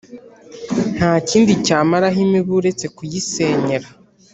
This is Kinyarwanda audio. nta kindi cyamaraho imibu uretse kuyisenyera.